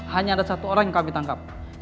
hanya ada satu orang yang menangkap boy